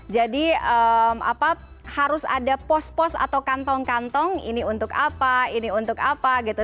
jadi harus ada pos pos atau kantong kantong ini untuk apa ini untuk apa gitu